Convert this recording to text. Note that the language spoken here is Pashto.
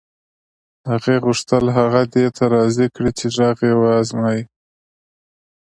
هغې غوښتل هغه دې ته راضي کړي چې غږ یې و ازمایي